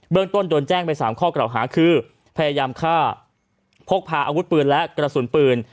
เรื่องต้นโดนแจ้งไป๓ข้อกล่าวหาคือพยายามฆ่าพกพาอาวุธปืนและกระสุนปืน